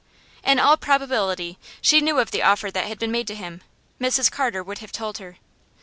In all probability she knew of the offer that had been made to him; Mrs Carter would have told her.